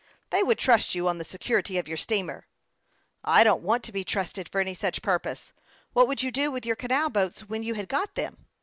" They would trust you on the security of your steamer." " I don't want to be trusted for any such purpose. What would you do with your canal boats when you had got them